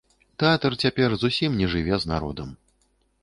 Тэатр цяпер зусім не жыве з народам.